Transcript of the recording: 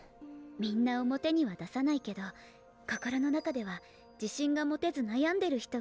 みんな表には出さないけど心の中では自信が持てずなやんでる人が多いって。